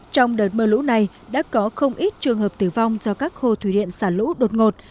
trong đợt mưa lũ này đã có không ít trường hợp tử vong do các hồ thủy điện xả lũ đột ngột